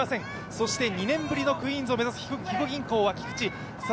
そして、２年ぶりのクイーンズ駅伝を目指す肥後銀行・菊地。